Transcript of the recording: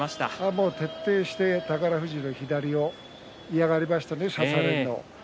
もう徹底して宝富士の左を嫌がりましたね差されるのを。